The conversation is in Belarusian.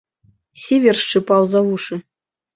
Сівер шчыпаў за вушы.